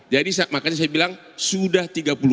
jadi makanya saya bilang sudah tiga puluh